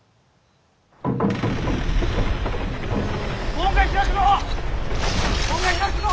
門が開くぞ！